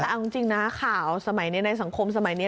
แต่เอาจริงนะข่าวสมัยนี้ในสังคมสมัยนี้